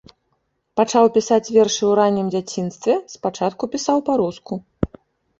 Пачаў пісаць вершы ў раннім дзяцінстве, спачатку пісаў па-руску.